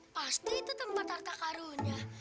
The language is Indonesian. pasti itu tempat harta karunnya